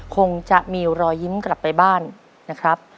คงจะมีรอยยิ้มกลับไปบ้านนะครับ